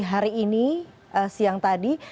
hari ini siang tadi